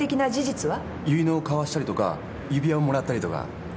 結納を交わしたりとか指輪をもらったりとか。